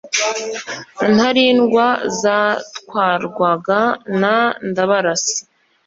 Intarindwa zatwarwaga na Ndabarasa